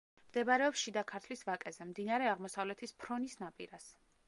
მდებარეობს შიდა ქართლის ვაკეზე, მდინარე აღმოსავლეთის ფრონის ნაპირას.